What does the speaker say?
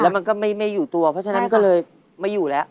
มันก็ไม่อยู่ตัวเพราะฉะนั้นก็เลยไม่อยู่แล้ว